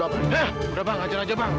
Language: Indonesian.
he udah bang aja bang